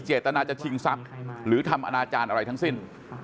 เจตนาจะชิงทรัพย์หรือทำอนาจารย์อะไรทั้งสิ้น